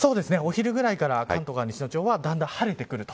お昼ぐらいから関東から西の地方は晴れてくる。